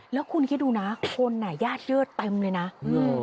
แล้วคุณคิดดูนะคนอ่ะญาติเยิดเต็มเลยนะอืม